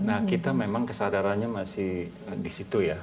nah kita memang kesadarannya masih di situ ya